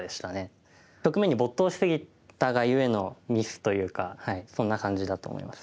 局面に没頭し過ぎたがゆえのミスというかそんな感じだと思います。